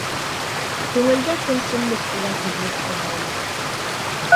Күңелдә көнсөлөк тигән иблес ҡуҙғалды.